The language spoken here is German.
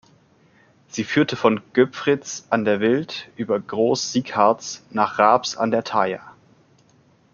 Sie führte von Göpfritz an der Wild über Groß-Siegharts nach Raabs an der Thaya.